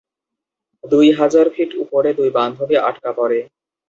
দুই হাজার ফিট উপরে দুই বান্ধবী আটকা পড়ে।